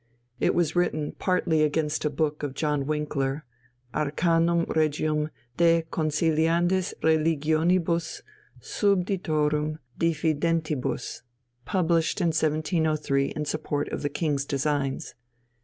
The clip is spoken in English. It was written partly against a book of John Winckler, Arcanum Regium de conciliandis religionibus subditorum diffidentibus, published in 1703 in support of the King's designs.